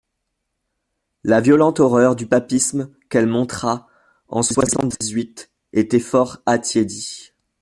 La violente horreur du papisme qu'elle montra en soixante-dix-huit était fort attiédie.